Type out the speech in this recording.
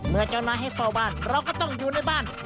เจ้านายให้เฝ้าบ้านเราก็ต้องอยู่ในบ้าน